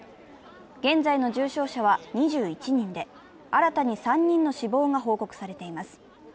現在の重症者は２１人で、新たに３人の死亡が報告されています。